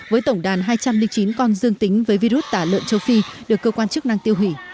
với tổng đàn hai trăm linh chín con dương tính với virus tả lợn châu phi được cơ quan chức năng tiêu hủy